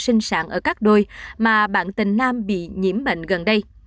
sinh sản ở các đôi mà bạn tình nam bị nhiễm bệnh gần đây